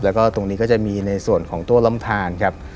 แล้วก็ตรงนี้ก็จะมีในส่วนของตัวลำทานครับ